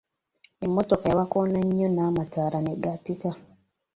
Emmotoka yabakoona nnyo n'amataala ne gaatikka.